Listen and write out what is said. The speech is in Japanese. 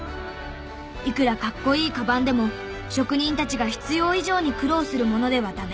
いくら格好いい鞄でも職人たちが必要以上に苦労するものではダメ。